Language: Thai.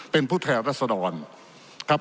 เป็นผู้แทนรัศดรครับ